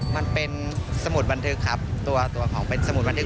มันเป็นสมุดบันทึกครับตัวของเป็นสมุดบันทึ